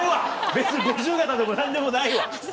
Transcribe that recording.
別に五十肩でも何でもないわ。